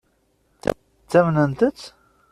Ttamnent-t?